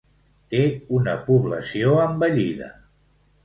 Té una població envellida.